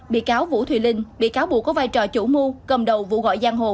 bị cáo vũ thùy linh bị cáo buộc có vai trò chủ mưu cầm đầu vụ gọi giang hồ